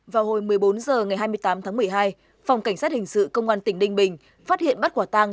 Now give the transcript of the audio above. vào hồi một mươi bốn h ngày hai mươi tám tháng một mươi hai phòng cảnh sát hình sự công an tỉnh ninh bình phát hiện bắt quả tang